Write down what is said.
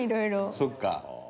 そっか。